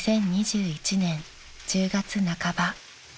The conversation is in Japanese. ２０２１年１０月半ば］